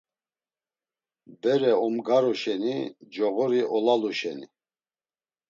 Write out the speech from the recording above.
Bere omgaru şeni, coğori olalu şeni.